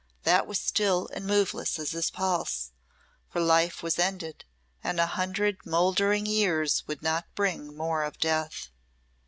That was still and moveless as his pulse; for life was ended, and a hundred mouldering years would not bring more of death.